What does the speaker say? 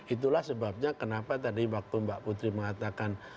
itulah sebabnya kenapa tadi waktu mbak putri mengatakan